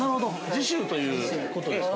次週ということですか。